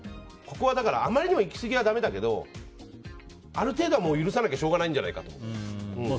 ここは、だからあまりにもいきすぎはだめだけどある程度はもう許さなきゃしょうがないんじゃないかと。